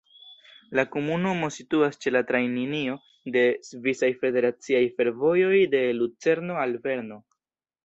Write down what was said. La komunumo situas ĉe la trajnlinio de Svisaj Federaciaj Fervojoj de Lucerno al Berno.